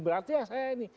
berarti ya saya ini